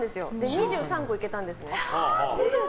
２３個いけたんですね。